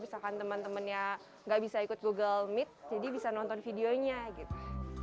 misalkan teman temannya nggak bisa ikut google meet jadi bisa nonton videonya gitu